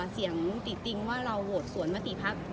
เสียงติดติงว่าเราโหวตสวนมติพัก